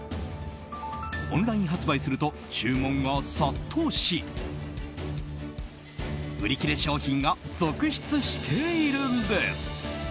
オンライン発売すると注文が殺到し売り切れ商品が続出しているんです。